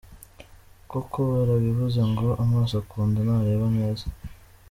Koko barabivuze ngo amaso akunda ntareba neza.